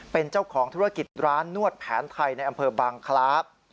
เป็นเจ้าของธุรกิจร้านนวดแผนไทยในอำเภอบางคลาฟ